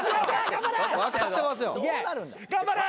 頑張れ！